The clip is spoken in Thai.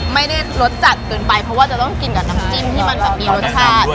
ไม่ได้รสจัดเกินไปเพราะว่าจะต้องกินกับน้ำจิ้มที่มันแบบมีรสชาติ